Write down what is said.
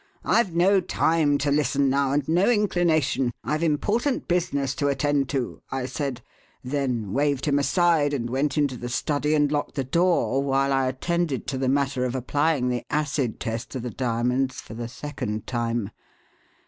'I've no time to listen now, and no inclination. I've important business to attend to,' I said, then waved him aside and went into the study and locked the door while I attended to the matter of applying the acid test to the diamonds for the second time.